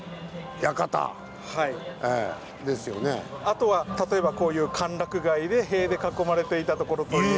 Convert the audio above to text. あとは例えばこういう歓楽街で塀で囲まれていた所といえば。